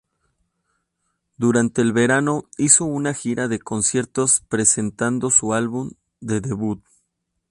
Durante el verano hizo una Gira de conciertos presentando su álbum de debut.